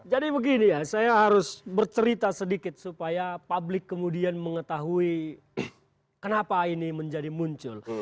jadi begini ya saya harus bercerita sedikit supaya publik kemudian mengetahui kenapa ini menjadi muncul